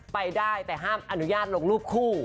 ไปได้แต่ห้ามอนุญาตลงรูปคู่